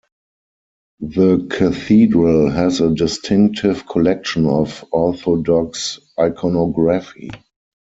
The cathedral has a distinctive collection of Orthodox iconography.